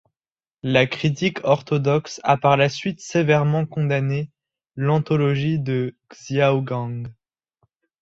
La critique orthodoxe a par la suite sévèrement condamné l'anthologie de Xiao Gang.